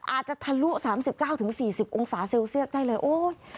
อาจจะทะลุ๓๙๔๐องศาเซลเซียสได้เลย